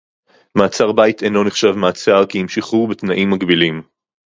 מעצר בית אינו נחשב מעצר כי אם שחרור בתנאים מגבילים